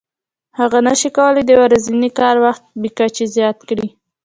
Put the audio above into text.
هغه نشي کولای د ورځني کار وخت بې کچې زیات کړي